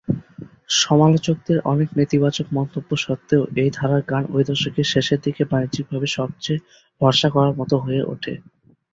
সমালোচকদের অনেক নেতিবাচক মন্তব্য সত্ত্বেও এই ধারার গান ঐ দশকের শেষের দিকে বাণিজ্যিকভাবে সবচেয়ে ভরসা করার মতো হয়ে ওঠে।